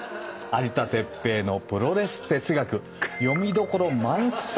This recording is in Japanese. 『有田哲平のプロレス哲学』読みどころ満載。